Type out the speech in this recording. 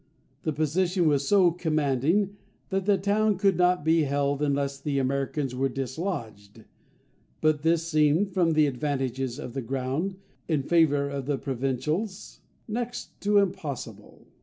The position was so commanding that the town could not be held unless the Americans were dislodged; but this seemed, from the advantages of the ground in favour of the Provincials, next to impossible.